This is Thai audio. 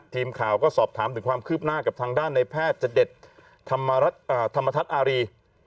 ทีมข่าวก็สอบถามถึงความคืบหน้ากับทางด้านในแพทย์จดธรรมทัศน์อารี